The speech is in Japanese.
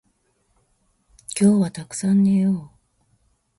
今日はたくさん寝よう